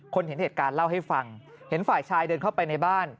เห็นเหตุการณ์เล่าให้ฟังเห็นฝ่ายชายเดินเข้าไปในบ้าน